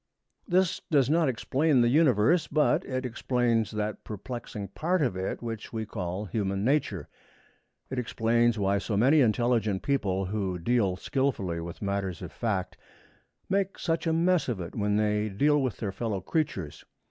This does not explain the Universe, but it explains that perplexing part of it which we call Human Nature. It explains why so many intelligent people, who deal skillfully with matters of fact, make such a mess of it when they deal with their fellow creatures.